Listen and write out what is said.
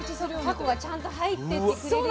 タコがちゃんと入ってってくれるように。